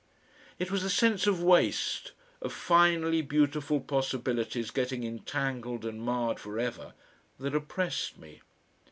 It was the sense of waste, of finely beautiful possibilities getting entangled and marred for ever that oppressed me.